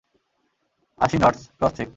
আশি knots, cross check.